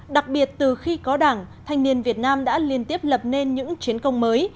đặc biệt từ khi có đảng thanh niên việt nam đã liên tiếp lập nên những chiến công mới